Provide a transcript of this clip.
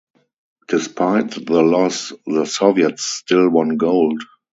Despite the loss, the Soviets still won gold.